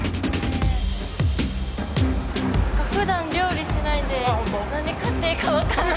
ふだん料理しないんで何買っていいか分からない。